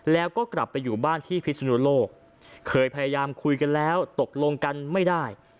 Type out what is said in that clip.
แล้วก็กลับไปอยู่บ้านที่พิศนุโลกเคยพยายามคุยกันแล้วตกลงกันไม่ได้